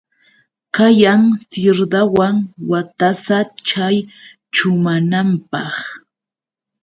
Kayan sirdawan watasa chay chumananpaq.